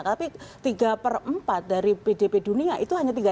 tapi tiga per empat dari pdp dunia itu hanya tiga